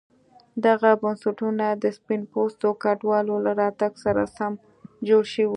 دغه بنسټونه د سپین پوستو کډوالو له راتګ سره سم جوړ شوي وو.